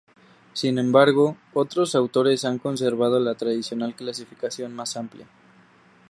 Sin embargo, otros autores han conservado la tradicional clasificación más amplia.